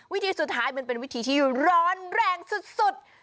วิธีสุดท้ายมันเป็นวิธีที่ร้อนแรงสุด